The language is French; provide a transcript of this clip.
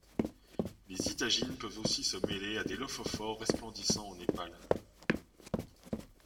Les ithagines peuvent aussi se mêler à des lophophores resplendissants au Népal.